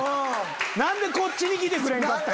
何でこっちに来てくれんかった。